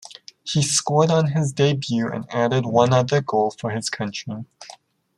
He scored on his debut and added one other goal for his country.